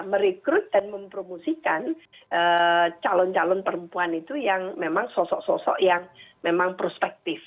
merekrut dan mempromosikan calon calon perempuan itu yang memang sosok sosok yang memang prospektif